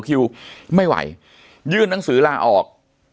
คิวไม่ไหวยื่นหนังสือลาออก